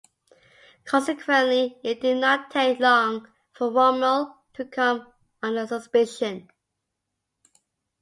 Consequently, it did not take long for Rommel to come under suspicion.